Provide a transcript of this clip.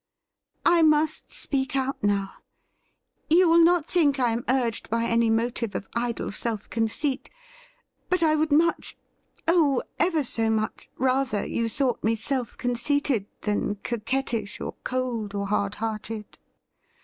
I must speak out now : you will not think I am urged by any motive of idle self conceit, but I would much — oh, ever so much! — rather you thought me self conceited than coquettish or cold or hard hearted.'